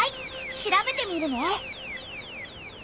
調べてみるね。